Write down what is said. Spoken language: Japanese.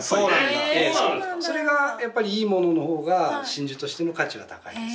それがいい物の方が真珠としての価値は高いです。